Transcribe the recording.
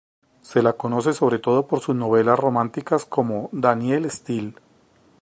Se la conoce sobre todo por sus novelas románticas como Danielle Steel.